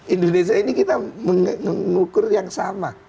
indonesia ini kita mengukur yang sama